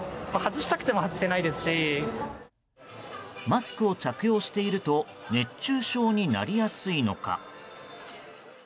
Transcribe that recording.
マスクを着用していると熱中症になりやすいのか。